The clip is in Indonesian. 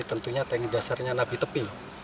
tentunya tank dasarnya nabi tepi